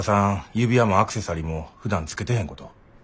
指輪もアクセサリーもふだん着けてへんこと。